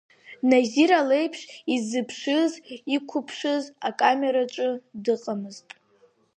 Назира леиԥш изыԥшныз, иқәыԥшыз акамераҿы дыҟамызт.